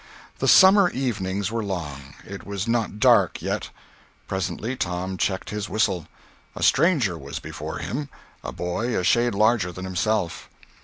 The summer evenings were long. It was not dark, yet. Presently Tom checked his whistle. A stranger was before him—a boy a shade larger than himself.